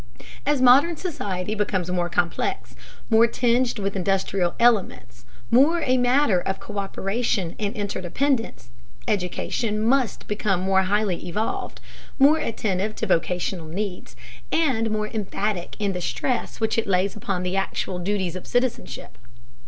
As modern society becomes more complex, more tinged with industrial elements, more a matter of co÷peration and interdependence, education must become more highly evolved, more attentive to vocational needs, and more emphatic in the stress which it lays upon the actual duties of citizenship.